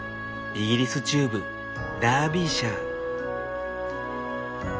イギリス中部ダービーシャー。